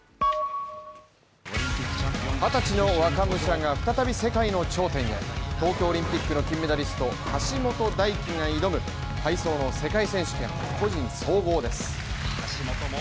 ２０歳の若武者が再び世界の頂点へ東京オリンピックの金メダリスト橋本大輝が挑む体操の世界選手権個人総合です。